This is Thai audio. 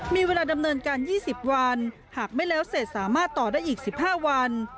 มีเวลาดำเนินการ๒๐วันหากไม่แล้วเสร็จสามารถต่อได้อีก๑๕วัน